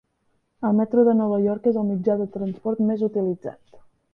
El Metro de Nova York és el mitjà de transport més utilitzat.